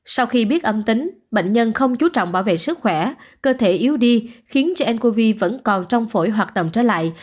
sau khi biết âm tính bệnh nhân không chú trọng bảo vệ sức khỏe cơ thể yếu đi khiến cho ncov vẫn còn trong phổi hoạt động trở lại